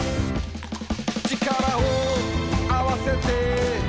「力をあわせて」